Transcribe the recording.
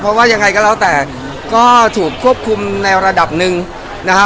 เพราะว่ายังไงก็แล้วแต่ก็ถูกควบคุมในระดับหนึ่งนะฮะ